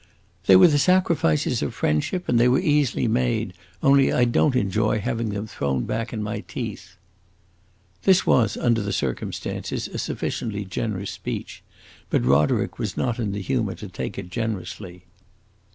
"They were the sacrifices of friendship and they were easily made; only I don't enjoy having them thrown back in my teeth." This was, under the circumstances, a sufficiently generous speech; but Roderick was not in the humor to take it generously.